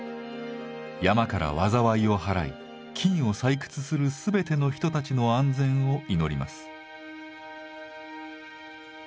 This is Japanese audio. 山から災いを祓い金を採掘する全ての人たちの安全を祈ります。